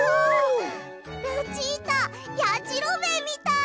ルチータやじろべえみたい！